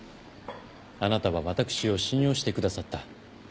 あなたは私を信用してくださった。